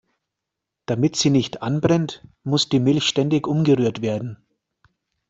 Damit sie nicht anbrennt, muss die Milch ständig umgerührt werden.